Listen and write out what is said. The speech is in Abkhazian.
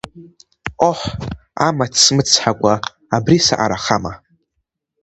Ҟоҳ, амаҭ смыцҳакәа абри саҟарахама?!